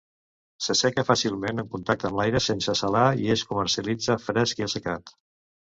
S'asseca fàcilment en contacte amb l'aire sense salar i es comercialitza fresc i assecat.